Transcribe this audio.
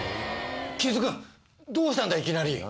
木津君どうしたんだいきなり。